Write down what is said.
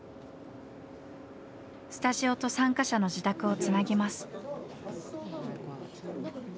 スタジオと参加者の自宅をつなぎます。